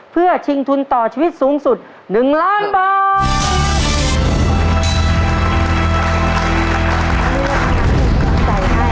เพื่อชิงทุนต่อชีวิตสูงสุด๑ล้านบาท